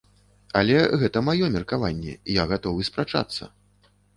Але гэта маё меркаванне, я гатовы спрачацца.